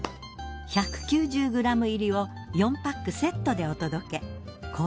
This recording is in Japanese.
１９０ｇ入りを４パックセットでお届け。